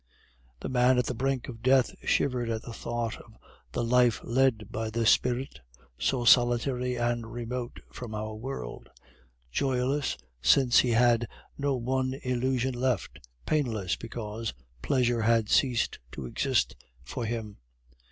The man at the brink of death shivered at the thought of the life led by this spirit, so solitary and remote from our world; joyless, since he had no one illusion left; painless, because pleasure had ceased to exist for him.